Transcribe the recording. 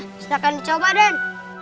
silahkan coba den